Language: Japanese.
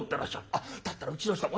「あっだったらうちの人も。